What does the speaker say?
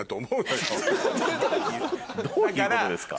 どういうことですか？